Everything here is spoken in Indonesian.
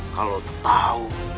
kalau kau tahu